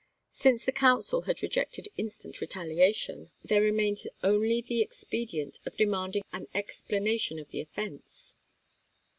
Since the council had rejected instant retaliation, there remained only the expedient of demanding an explanation of the offense.